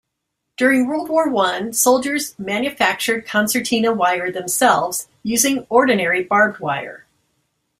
During World War One soldiers manufactured concertina wire themselves, using ordinary barbed wire.